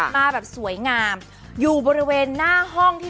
มาแบบสวยงามอยู่บริเวณหน้าห้องที่